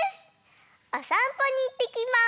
おさんぽにいってきます！